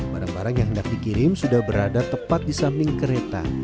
barang barang yang hendak dikirim sudah berada tepat di samping kereta